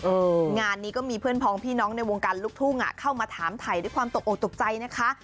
งานนี้ก็มีเพื่อนพองพี่น้องในวงการลูกทุ่งอ่ะเข้ามาถามถ่ายด้วยความตกออกตกใจนะคะ